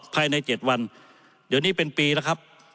ภายใน๗วันเดี๋ยวนี้เป็นปีแล้วครับ